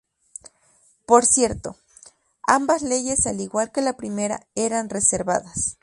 Por cierto, ambas leyes al igual que la primera, eran reservadas.